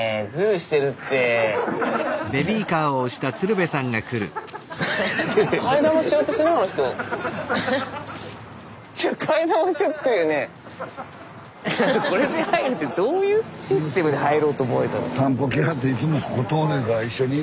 スタジオこれで入るってどういうシステムで入ろうと思えたの？